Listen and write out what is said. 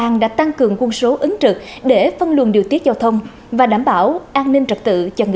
chìm ngưỡng những màn pháo hoa rực rỡ